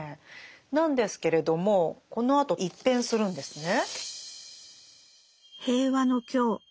なんですけれどもこのあと一変するんですね。